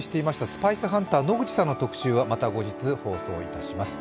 スパイスハンター、野口さんの特集はまた後日放送いたします。